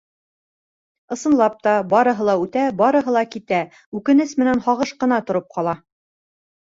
Ысынлап та, барыһыла үтә, барыһы ла китә, үкенес менән һағыш ҡына тороп ҡала...